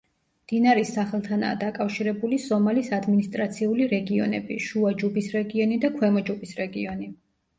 მდინარის სახელთანაა დაკავშირებული სომალის ადმინისტრაციული რეგიონები: შუა ჯუბის რეგიონი და ქვემო ჯუბის რეგიონი.